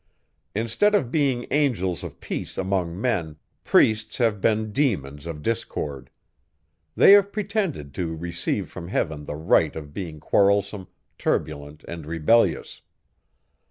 Instead of being angels of peace among men, priests have been demons of discord. They have pretended to receive from heaven the right of being quarrelsome, turbulent, and rebellious.